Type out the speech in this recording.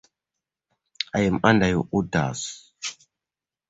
I'm under your orders.